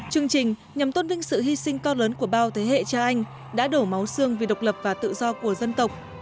chương trình nhằm tôn vinh sự hy sinh to lớn của bao thế hệ cha anh đã đổ máu xương vì độc lập và tự do của dân tộc